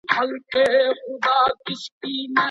کرني پوهنځۍ له مشورې پرته نه اعلانیږي.